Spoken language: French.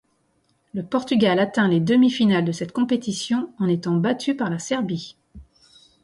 Le Portugal atteint les demi-finales de cette compétition, en étant battu par la Serbie.